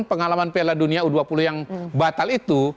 pengalaman piala dunia u dua puluh yang batal itu